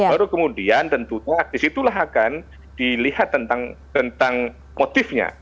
baru kemudian tentunya disitulah akan dilihat tentang motifnya